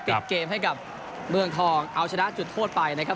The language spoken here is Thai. ปิดเกมให้กับเมืองทองเอาชนะจุดโทษไปนะครับ